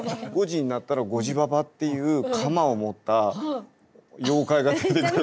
５時になったら５時婆っていう鎌を持った妖怪が出てくる。